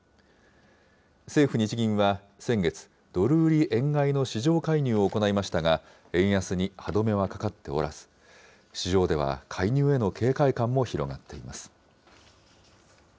政府・日銀は先月、ドル売り円買いの市場介入を行いましたが、円安に歯止めはかかっておらず、市場では介入への警戒感も広がっています。